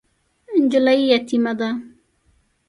نجلۍ یتیمه ده .